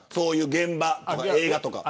現場とか、映画とか。